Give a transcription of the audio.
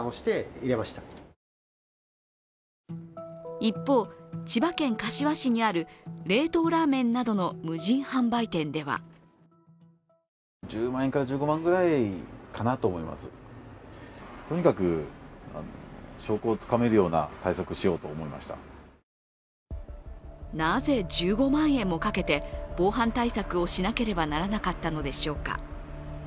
一方、千葉県柏市にある冷凍ラーメンなどの無人販売店ではなぜ１５万円もかけて防犯対策をしなければならなかったのでしょうか。